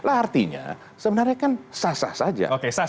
artinya sebenarnya kan sah sah saja